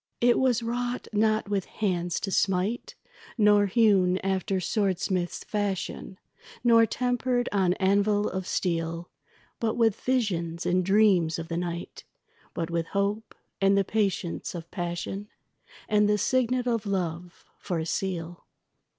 It was wrought not with hands to smite, Nor hewn after swordsmiths' fashion, Nor tempered on anvil of steel; But with visions and dreams of the night, But with hope, and the patience of passion, And the signet of love for a seal.